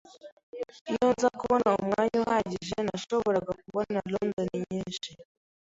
Iyo nza kubona umwanya uhagije, nashoboraga kubona London nyinshi.